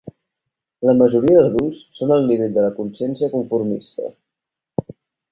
La majoria d'adults són al nivell de la consciència conformista.